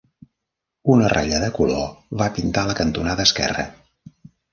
Una ratlla de color va pintar la cantonada esquerra.